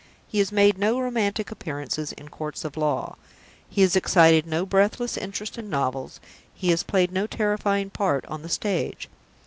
He has made no romantic appearances in courts of law; he has excited no breathless interest in novels; he has played no terrifying part on the stage.